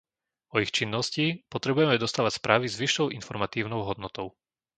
O ich činnosti potrebujeme dostávať správy s vyššou informatívnou hodnotou.